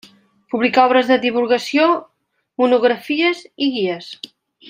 Publicà obres de divulgació, monografies i guies.